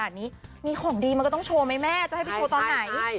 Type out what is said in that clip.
นี้มีของดีมันก็ต้องโชว์ไหมแม่จะให้ไปโชว์ตอนไหน